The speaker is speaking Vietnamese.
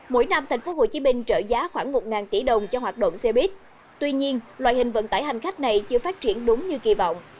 mỗi năm tp hcm trợ giá khoảng một tỷ đồng cho hoạt động xe buýt tuy nhiên loại hình vận tải hành khách này chưa phát triển đúng như kỳ vọng